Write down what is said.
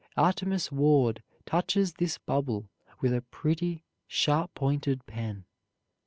Artemus Ward touches this bubble with a pretty sharp pointed pen.